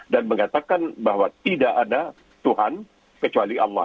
dan mengatakan bahwa tidak ada tuhan kecuali allah